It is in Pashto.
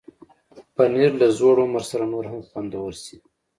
پنېر له زوړ عمر سره نور هم خوندور شي.